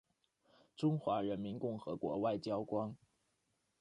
中华人民共和国外交官。